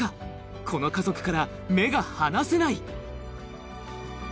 この家族から目が離せない！